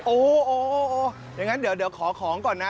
โอ้อย่างนั้นเดี๋ยวขอของก่อนนะ